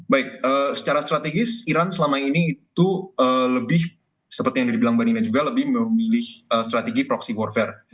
baik secara strategis iran selama ini itu lebih seperti yang dibilang mbak nina juga lebih memilih strategi proxy warfare